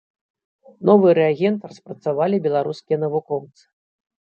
Новы рэагент распрацавалі беларускія навукоўцы.